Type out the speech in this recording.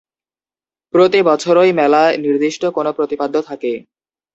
প্রতি বছরই মেলা নির্দিষ্ট কোনো প্রতিপাদ্য থাকে।